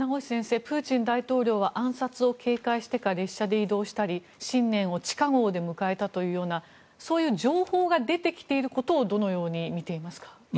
プーチン大統領は暗殺を警戒してか列車で移動したり新年を地下壕で迎えたというようなそういう情報が出てきていることをどのように見ていますか？